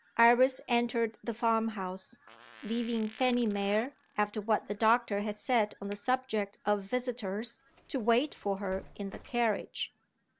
Iris entered the farm house; leaving Fanny Mere, after what the doctor had said on the subject of visitors, to wait for her in the carriage.